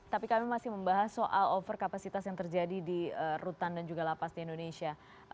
tapi kami masih membahas soal overkapasitas yang terjadi di rutan dan juga lapas di indonesia